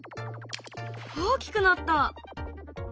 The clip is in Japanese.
大きくなった。